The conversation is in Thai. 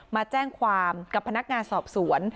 มาแจ้งความกับพนักงานสอบสวน